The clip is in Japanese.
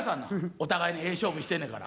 お互いにええ勝負してんのやから。